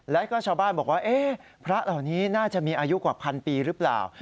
แล้วก็ชาวบ้านบอกว่าพระเหล่านี้น่าจะมีอายุกว่าพันปีหรือเปล่า